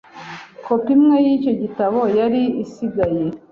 kopi imwe y’icyo gitabo yari isigaye